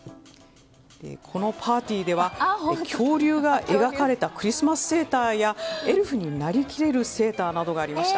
このパーティーでは恐竜が描かれたクリスマスセーターやエルフになりきれるセーターなどがありました。